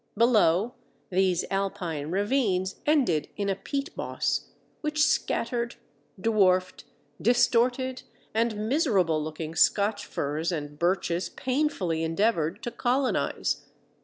Below, these alpine ravines ended in a peat moss, which scattered, dwarfed, distorted, and miserable looking Scotch Firs and Birches painfully endeavoured to colonize.